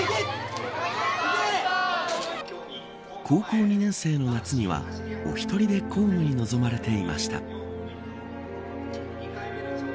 高校２年生の夏にはお一人で公務に臨まれていました。